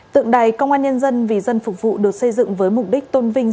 tượng đài công an nhân dân vì dân phục vụ được xây dựng với mục đích tôn vinh